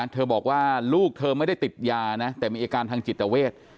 เธอบอกว่าลูกเธอไม่ได้ติดยานะแต่มีอาการทางจิตเวท